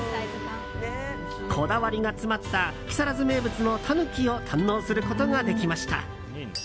こだわりが詰まった木更津名物のタヌキを堪能することができました。